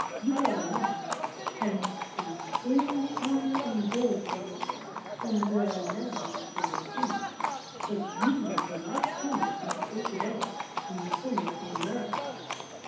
You are a man, and can gain honor and gold for yourself, and new coun tries for your King. You must not think of Isabella; you must think of America."